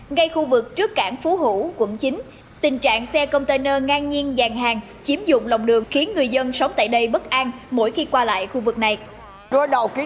ngay khu vực trước cảng phú hủ quận chín tình trạng xe container ngang nhiên vàng hàng chiếm dụng lòng đường khiến người dân sống tại đây bất an mỗi khi qua lại khu vực này